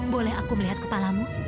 boleh aku melihat kepalamu